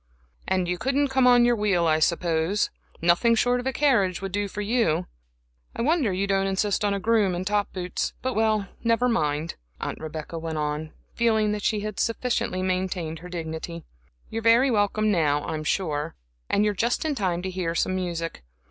"And you couldn't come on your wheel, I suppose? Nothing short of a carriage would do for you. I wonder you don't insist on a groom in top boots. But well, never mind," Aunt Rebecca went on, feeling that she had sufficiently maintained her dignity "you're very welcome now, I'm sure, and you're just in time to hear some music.